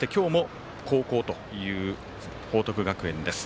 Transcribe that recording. そして、今日も後攻という報徳学園です。